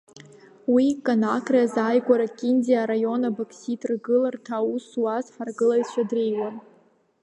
Уи Конакри азааигәара Киндиа араион Абокситргылара аус зуаз ҳаргылаҩцәа дреиуан.